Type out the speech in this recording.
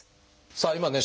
さあ今ね